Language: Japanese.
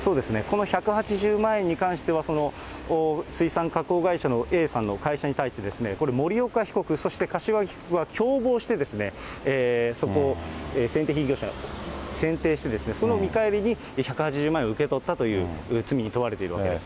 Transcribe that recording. この１８０万円に関しては、水産加工会社のＡさんの会社に対してですね、これ、森岡被告、そして柏木被告が共謀してそこを選定して、その見返りに、１８０万円を受け取ったという罪に問われているわけです。